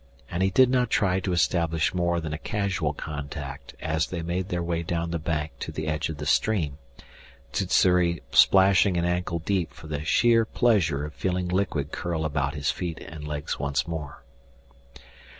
And he did not try to establish more than a casual contact as they made their way down the bank to the edge of the stream, Sssuri splashing in ankle deep for the sheer pleasure of feeling liquid curl about his feet and legs once more.